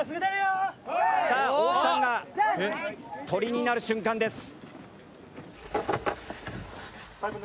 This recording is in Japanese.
さあ大木さんが鳥になる瞬間です。